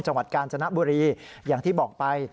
จังหวัดกาญจนบุรีอย่างที่บอกไป